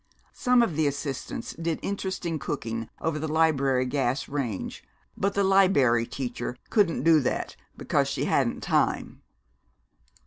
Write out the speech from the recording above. Some of the assistants did interesting cooking over the library gas range, but the Liberry Teacher couldn't do that because she hadn't time.